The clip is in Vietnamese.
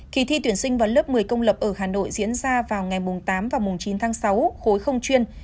kỳ thi tuyển sinh vào lớp một mươi công lập ở hà nội diễn ra vào ngày tám và mùng chín tháng sáu khối không chuyên